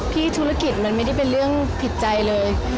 ธุรกิจมันไม่ได้เป็นเรื่องผิดใจเลย